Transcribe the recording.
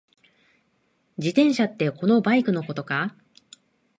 自転車ってこのバイクのことか？